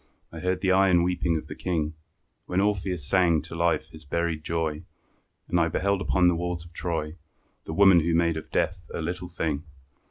I heard the iron weeping of the King, When Orpheus sang to life his buried joy; And I beheld upon the walls of Troy The woman who made of death a little thing.